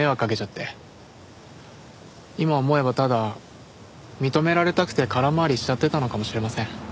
今思えばただ認められたくて空回りしちゃってたのかもしれません。